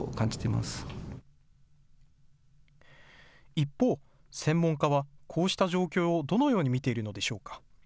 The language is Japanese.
一方、専門家はこうした状況をどのように見ているのでしょうか。